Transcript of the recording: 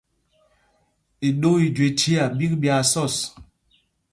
Iɗoo i jüé chiá ɓîk ɓyaa sɔs.